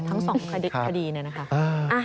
ทั้ง๒กระดีเนี่ยนะครับ